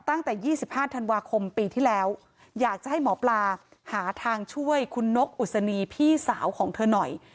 ตั้งแต่๒๕ธันวาคมปีที่แล้วอยากจะให้หมอปลาหาทางช่วยคุณนกอุศนีพี่สาวของเธอหน่อย